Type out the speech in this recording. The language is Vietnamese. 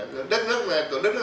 tổ đất nước thì bao nhiêu cũng còn